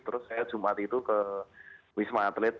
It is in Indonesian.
terus saya jumat itu ke wisma atlet